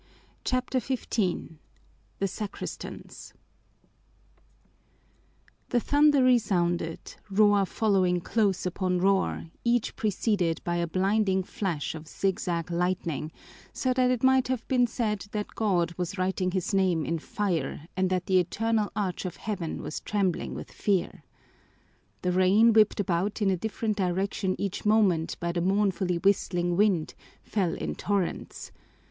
CHAPTER XV The Sacristans The thunder resounded, roar following close upon roar, each preceded' by a blinding flash of zigzag lightning, so that it might have been said that God was writing his name in fire and that the eternal arch of heaven was trembling with fear. The rain, whipped about in a different direction each moment by the mournfully whistling wind, fell in torrents.